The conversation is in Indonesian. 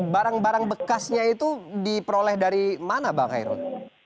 barang barang bekasnya itu diperoleh dari mana bang khairul